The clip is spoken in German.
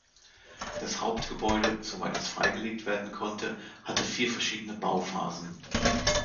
Das Hauptgebäude, soweit es freigelegt werden konnte, hatte vier verschiedene Bauphasen.